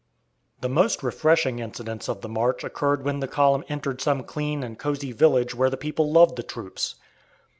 The most refreshing incidents of the march occurred when the column entered some clean and cosy village where the people loved the troops.